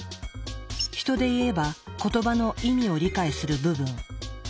ヒトでいえば言葉の意味を理解する部分。